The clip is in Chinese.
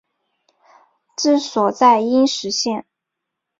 治所在阴石县。